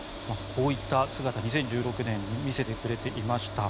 こういった姿、２０１６年に見せてくれていました。